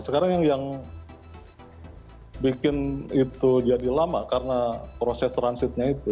sekarang yang bikin itu jadi lama karena proses transitnya itu